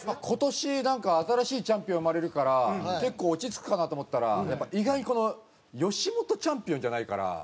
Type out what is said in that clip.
今年なんか新しいチャンピオン生まれるから結構落ち着くかなと思ったらやっぱり意外にこの吉本チャンピオンじゃないから。